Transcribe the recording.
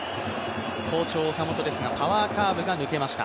好調・岡本ですがパワーカーブが抜けました。